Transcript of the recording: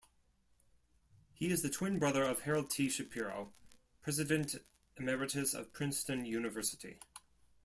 He is the twin brother of Harold T. Shapiro, President Emeritus of Princeton University.